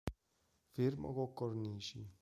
Fermo con cornici".